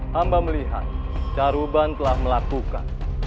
hamba melihat taruban telah melakukan